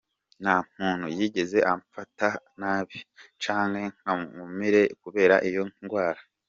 Nta muntu yigeze amfata nabi canke nk ankumire kubera iyo ngwara.